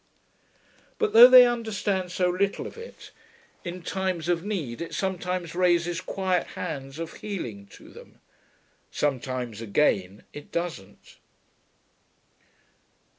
But, though they understand so little of it, in times of need it sometimes raises quiet hands of healing to them. Sometimes, again, it doesn't.